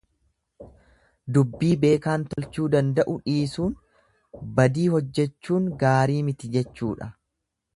Dubbii beekaan tolchuu danda'u dhiisuun badii hojjechuun gaarii miti jechuudha.